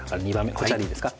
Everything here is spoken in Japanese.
こちらでいいですか？